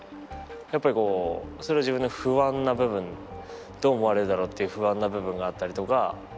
やっぱりこうそれは自分の不安な部分どう思われるだろうっていう不安な部分があったりとか。